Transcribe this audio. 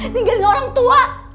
ninggalin orang tua